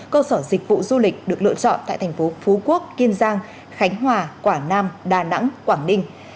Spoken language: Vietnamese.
cơ sở dịch vụ du lịch được lựa chọn tại thành phố phú quốc kiên giang khánh hòa quảng nam đà nẵng quảng ninh